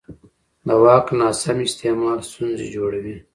د واک ناسم استعمال ستونزې جوړوي